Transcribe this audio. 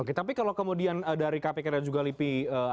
oke tapi kalau kemudian dari kpk dan juga lipi